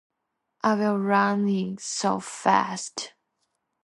I'll be running so fast.